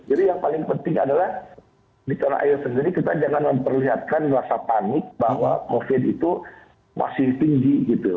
jadi yang paling penting adalah di tanah air sendiri kita jangan memperlihatkan rasa panik bahwa covid itu masih tinggi gitu